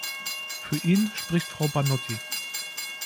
Für ihn spricht Frau Banotti.